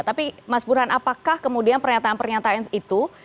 tapi mas burhan apakah kemudian pernyataan pernyataan itu